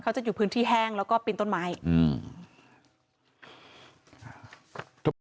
จะอยู่พื้นที่แห้งแล้วก็ปีนต้นไม้อืม